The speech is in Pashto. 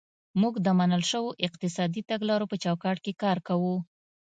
موږ د منل شویو اقتصادي تګلارو په چوکاټ کې کار کوو.